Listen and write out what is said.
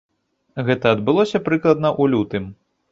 Гэта адбылося прыкладна ў лютым.